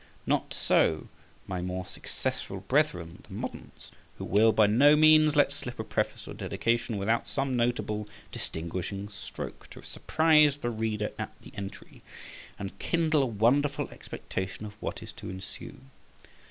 Not so my more successful brethren the moderns, who will by no means let slip a preface or dedication without some notable distinguishing stroke to surprise the reader at the entry, and kindle a wonderful expectation of what is to ensue.